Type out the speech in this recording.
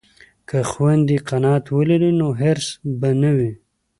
که خویندې قناعت ولري نو حرص به نه وي.